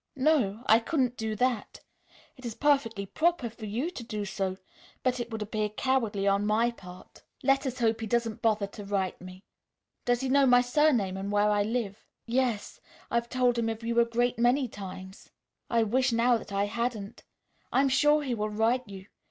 "No; I couldn't do that. It is perfectly proper for you to do so, but it would appear cowardly on my part. Let us hope he doesn't bother to write me. Does he know my surname and where I live?" "Yes; I've told him of you a great many times. I wish now that I hadn't. I am sure he will write you.